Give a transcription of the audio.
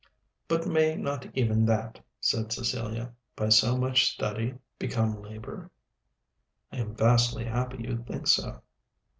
"But may not even that," said Cecilia, "by so much study become labor?" "I am vastly happy you think so."